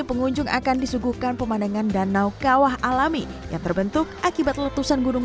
pengunjung akan disuguhkan pemandangan danau kawah alami yang terbentuk akibat letusan gunung